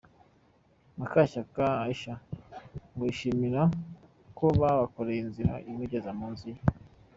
Mukashyaka Aisha ngo yishimira ko bamukoreye inzira imugeza ku nzu ye.